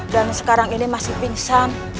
dan sekarang ini masih pingsan